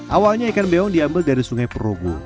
awalnya ikan beong diambil dari sungai perogu